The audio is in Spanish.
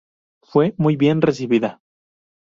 Fue muy bien recibida.